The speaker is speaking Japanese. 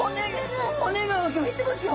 骨がうギョいてますよ！？